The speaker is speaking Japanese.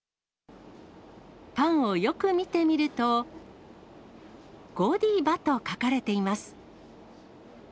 パンをよく見てみると、ゴディバと書かれています。